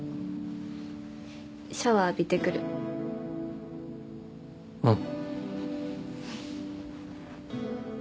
シャワー浴びてくるうん